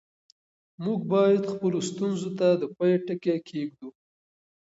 موږ باید خپلو ستونزو ته د پای ټکی کېږدو.